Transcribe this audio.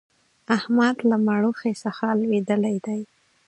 احمد له مړوښې څخه لوېدلی دی.